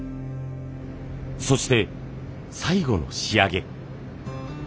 そして最後の仕上げ。